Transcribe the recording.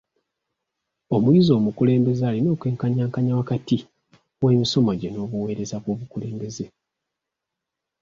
Omuyizi omukulembeze alina okwenkanyankanya wakati w'emisomo gye n'obuweereza bw'obukulembeze.